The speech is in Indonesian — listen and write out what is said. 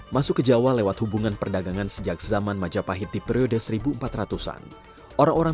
masuk ke jawa lewat hubungan perdagangan sejak zaman majapahit di periode seribu empat ratus an